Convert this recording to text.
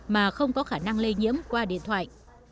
mà không có khả năng lây nhiễm qua điện thoại